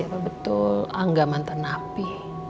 apa betul anggaman tenapi